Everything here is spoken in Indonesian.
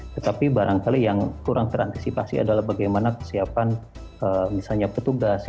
tetapi barangkali yang kurang terantisipasi adalah bagaimana kesiapan misalnya petugas